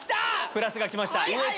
プラスがきました。